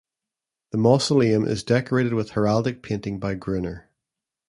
The mausoleum is decorated with heraldic painting by Gruner.